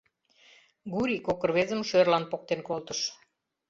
Гурий кок рвезым шӧрлан поктен колтыш.